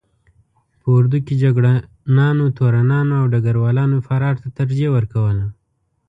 په اردو کې جګړه نانو، تورنانو او ډګر والانو فرار ته ترجیح ورکوله.